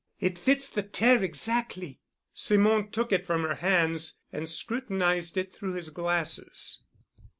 It fits the tear exactly." Simon took it from her hands and scrutinized it through his glasses.